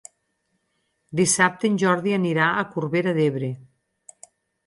Dissabte en Jordi anirà a Corbera d'Ebre.